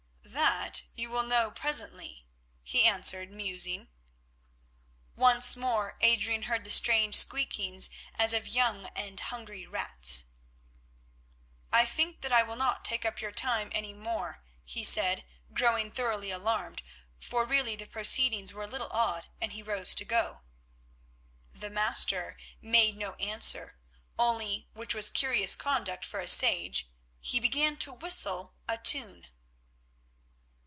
"That you will know presently," he answered musing. Once more Adrian heard the strange squeaking as of young and hungry rats. "I think that I will not take up your time any more," he said, growing thoroughly alarmed, for really the proceedings were a little odd, and he rose to go. The Master made no answer, only, which was curious conduct for a sage, he began to whistle a tune.